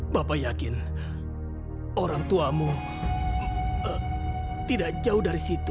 bapak yakin orang tuamu tidak jauh dari situ